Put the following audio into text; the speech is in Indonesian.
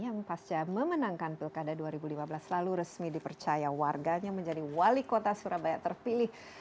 yang pasca memenangkan pilkada dua ribu lima belas lalu resmi dipercaya warganya menjadi wali kota surabaya terpilih